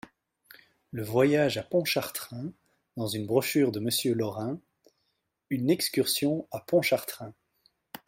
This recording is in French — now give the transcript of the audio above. Le Voyage à Pontchartrain, dans une brochure de Monsieur Lorin : UNE EXCURSION A PONTCHARTRAIN.